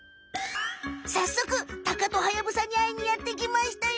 さっそくタカとハヤブサにあいにやってきましたよ！